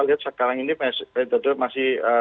lihat sekarang ini masih